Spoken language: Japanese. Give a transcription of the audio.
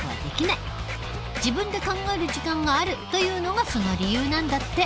自分で考える時間があるというのがその理由なんだって。